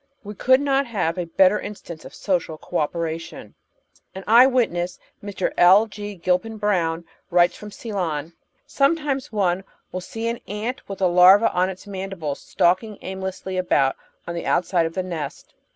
We could not have a better instance of social co operation. An eye witness, Mr. L. G. Gilpin Brown, writes from Ceylon : Sometimes one will see an ant with a larva on its mandibles stalking aimlessly about on the outside of the nest.